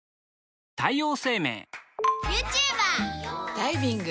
ダイビング。